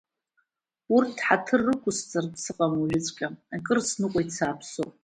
Урҭ ҳаҭыр рықәысҵартә сыҟам уажәыҵәҟьа, акыр сныҟәеит, сааԥсоуп.